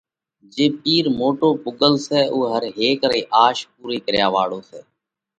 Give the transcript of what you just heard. جي پِير موٽو پُوڳل سئہ اُو هر هيڪ رئِي آس پُورئِي ڪريا واۯو سئہ۔